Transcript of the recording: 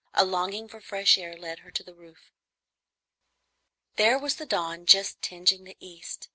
A longing for fresh air led her to the roof. There was the dawn just tingeing the east.